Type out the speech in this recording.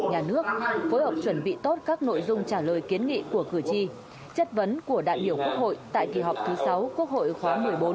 nhà nước phối hợp chuẩn bị tốt các nội dung trả lời kiến nghị của cử tri chất vấn của đại biểu quốc hội tại kỳ họp thứ sáu quốc hội khóa một mươi bốn